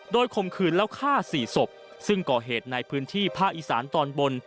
โดยข่มขืนแล้วฆ่า๔ศพซึ่งก่อเหตุในพื้นที่ภาคอีสานตอนบน